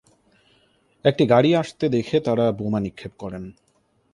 একটি গাড়ি আসতে দেখে তারা বোমা নিক্ষেপ করেন।